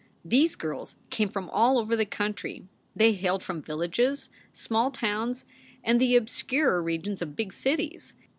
These girls came from all over the country; they hailed from villages, small towns, and the obscurer regions of big cities.